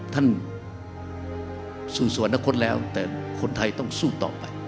ท่านสู่สวรรคตแล้วแต่คนไทยต้องสู้ต่อไป